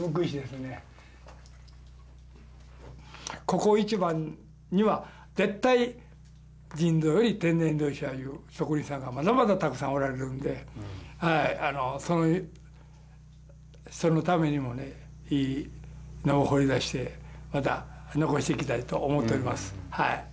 ここ一番には絶対人造よりも天然砥石やという職人さんがまだまだたくさんおられるんでそのためにもいいのを掘り出してまた残していきたいと思っとります。